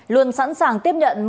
luôn sẵn sàng tiếp nhận